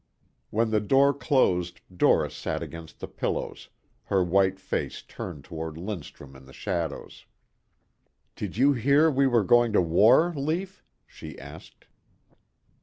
When the door closed Doris sat against the pillows, her white face turned toward Lindstrum in the shadows. "Did you hear we were going to war, Lief?" she asked.